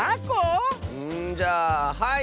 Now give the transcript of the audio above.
んじゃあはい！